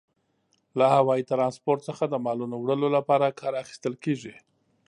له هوايي ترانسپورت څخه د مالونو وړلو لپاره کار اخیستل کیږي.